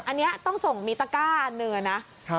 อันนี้ต้องส่งมีตะก้าอันเหนือนะ